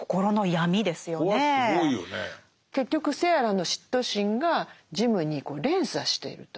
結局セアラの嫉妬心がジムに連鎖していると。